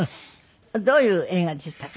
どういう映画でしたか？